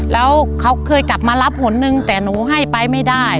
แล้วเขาเคยกลับมารับหนนึงแต่หนูให้ไปไม่ได้